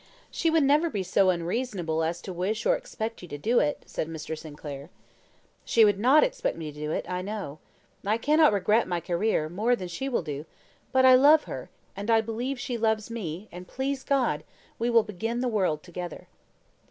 "She would never be so unreasonable as to wish or expect you to do it," said Mr. Sinclair. "She would not expect me to do it, I know. I cannot regret my career more than she will do; but I love her, and I believe she loves me; and, please God, we will begin the world together."